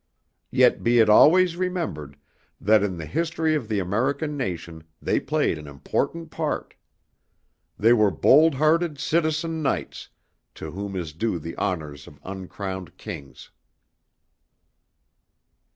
Yet be it always remembered, that in the history of the American nation they played an important part. They were bold hearted citizen knights to whom is due the honors of uncrowned kings.